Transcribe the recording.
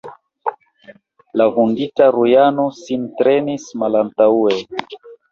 La vundita Rujano sin trenis malantaŭe.